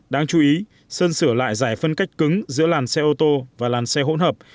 đáng chú ý sơn sửa lại giải phân cách cứng giữa làn xe ô tô và làn xe hỗn hợp